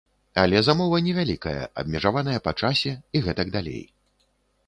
Але замова невялікая, абмежаваная па часе, і гэтак далей.